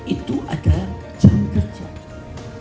itu adalah kualitas sumber daya manusia